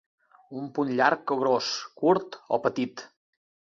Un punt llarg o gros, curt o petit.